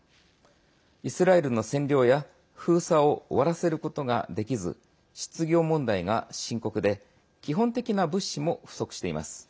イスラエルの占領や封鎖を終わらせることができず失業問題が深刻で基本的な物資も不足しています。